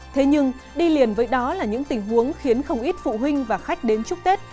thế nhưng đi liền với đó là những tình huống khiến không ít phụ huynh và khách đến chúc tết